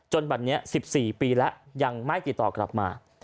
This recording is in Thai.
บัดนี้๑๔ปีแล้วยังไม่ติดต่อกลับมา